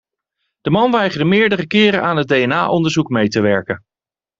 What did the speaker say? De man weigerde meerdere keren aan het DNA-onderzoek mee te werken.